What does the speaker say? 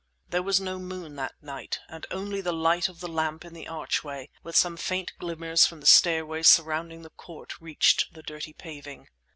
There was no moon that night, and only the light of the lamp in the archway, with some faint glimmers from the stairways surrounding the court, reached the dirty paving.